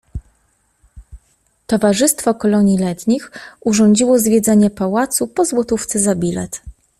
Towarzystwo Kolonii Letnich urządziło zwiedzanie pałacu, po złotówce za bilet.